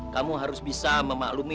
kamu harus bisa memaklumi